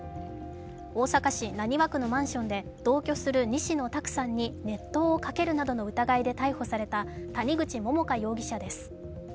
大阪市浪速区のマンションで同居する西野太九さんに熱湯をかけるなどの疑いで逮捕された谷口百花容疑者です。